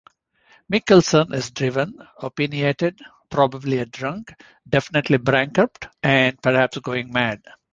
Mickelsson is driven, opinionated, probably a drunk, definitely bankrupt, and perhaps going mad.